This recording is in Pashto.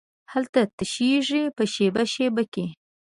هلته تشېږې په شیبه، شیبه کې